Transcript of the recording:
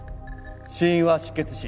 死因は失血死。